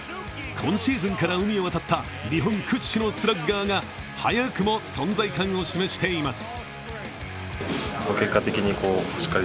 今シーズンから海を渡った日本屈指のスラッガーが早くも存在感を示しています。